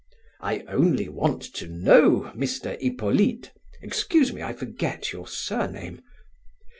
"I only want to know, Mr. Hippolyte—excuse me, I forget your surname."